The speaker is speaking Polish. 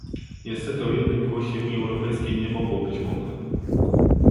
Niestety o jednym głosie Unii Europejskiej nie mogło być mowy